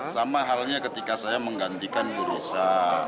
sama halnya ketika saya menggantikan jurisa